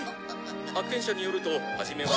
「発見者によると初めは」